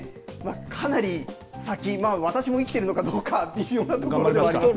かなり先、私も生きてるのかどうか微妙なところではありますが。